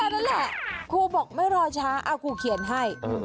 นั่นแหละครูบอกไม่รอช้าครูเขียนให้